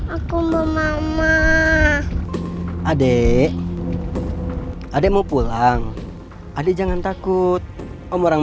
aku mau mama adek adek mau pulang adik jangan takut om orang